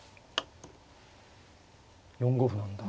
４五歩なんだ。